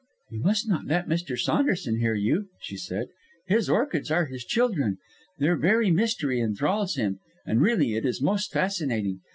"You must not let Mr. Saunderson hear you," she said. "His orchids are his children. Their very mystery enthrals him and really it is most fascinating.